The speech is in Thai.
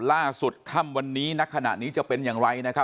ล่าสุดค่ำวันนี้ณขณะนี้จะเป็นอย่างไรนะครับ